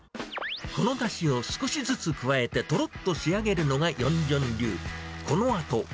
このだしを少しずつ加えて、とろっと仕上げるのがヨンジョン流。